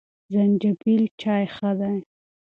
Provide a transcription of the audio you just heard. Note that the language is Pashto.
زنجبیل چای ښه دی.